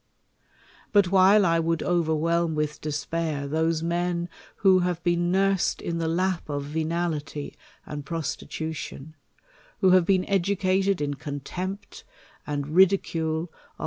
But while 1 would overwhelm with despair those men who have been nursed in the lap of venality and prostitution ; who have been educated in contempt and ridicule of